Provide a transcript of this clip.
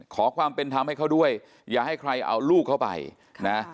ขอความเป็นธรรมให้เขาด้วยอย่าให้ใครเอาลูกเข้าไปนะ